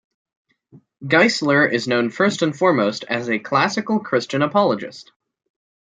Geisler is known first and foremost as a classical Christian apologist.